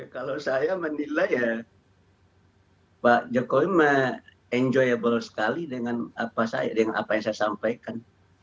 kalau saya menilai ya pak jokowi enjoiable sekali dengan apa yang saya sampaikan